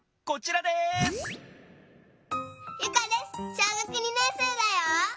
小学２年生だよ。